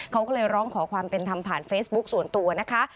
เขาก็เลยร้องขอความเป็นธรรมผ่านเฟซบุ๊คส่วนตัวนะคะ